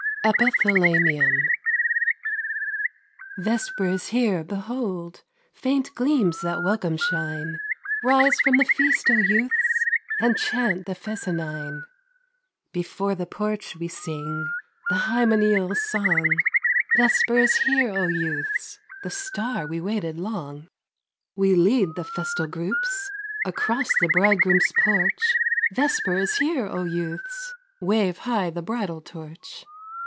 EPITHALAMIUM Vesper is here! behold Faint gleams that welcome shine! Rise from the feast, O youths, And chant the fescennine! Before the porch we sing The hymeneal song; Vesper is here, O youths! The star we waited long. We lead the festal groups Across the bridegroom's porch; Vesper is here, O youths! Wave high the bridal torch.